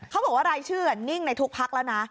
บอกว่ารายชื่อนิ่งในทุกพักแล้วนะ